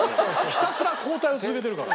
ひたすら後退を続けてるから。